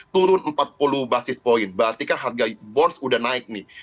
turun empat puluh basis point berarti kan harga bonds udah naik nih